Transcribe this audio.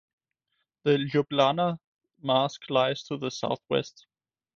The Ljubljana Marsh lies to the southwest.